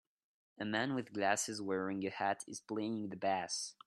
A man with glasses wearing a hat is playing the bass